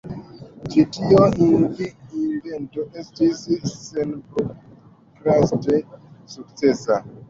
Ĉi tio invento estis senprokraste sukcesa.